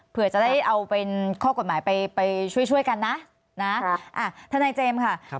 เผื่อจะได้เอาเป็นข้อกฎหมายไปช่วยช่วยกันนะนะทนายเจมส์ค่ะ